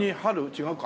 違うか。